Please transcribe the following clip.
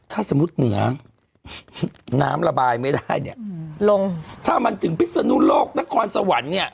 ถ้าสมมุติเหนือน้ำระบายไม่ได้เนี่ยลงถ้ามันถึงพิศนุโลกนครสวรรค์เนี่ย